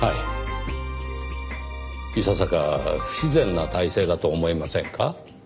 いささか不自然な体勢だと思いませんか？